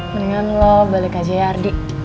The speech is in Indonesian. mendingan loh balik aja ya ardi